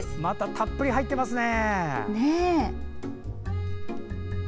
たっぷり入ってますね！